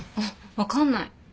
分かんない。